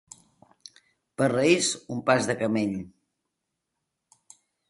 Per Reis, un pas de camell.